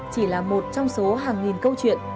chỉ là một trong số hàng nghìn câu chuyện